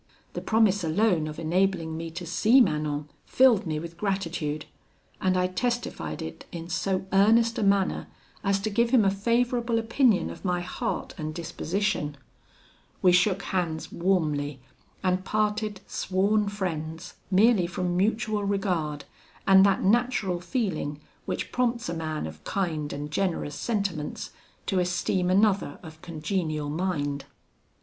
The promise alone of enabling me to see Manon filled me with gratitude, and I testified it in so earnest a manner, as to give him a favourable opinion of my heart and disposition; we shook hands warmly, and parted sworn friends, merely from mutual regard, and that natural feeling which prompts a man of kind and generous sentiments to esteem another of congenial mind.